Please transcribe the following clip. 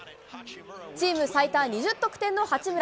チーム最多２０得点の八村。